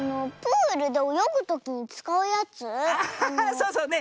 そうそうね。